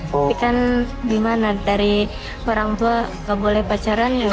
mengekalkan mimpi nanny untuk pendidikan yang lebih tinggi